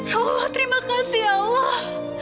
ya allah terima kasih ya allah